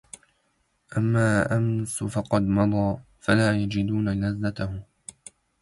أَمَّا أَمْسِ فَقَدْ مَضَى فَلَا يَجِدُونَ لَذَّتَهُ